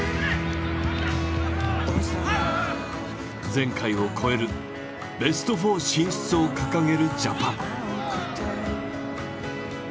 前回を超えるベスト４進出を掲げるジャパン。